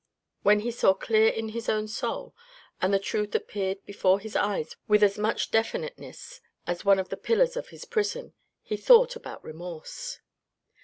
When he saw clear in his own soul, and the truth appeared before his eyes with as much definiteness as one of the pillars of his prison, he thought about remorse.